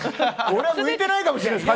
俺は向いてないかもしれない。